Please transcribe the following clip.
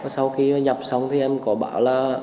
sau khi nhập xong thì em có bảo là